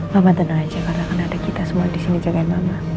mama tenang aja karena ada kita semua disini jagain mama